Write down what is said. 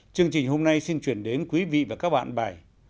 chương trình hôm nay xin chuyển đến quý vị và các bạn bài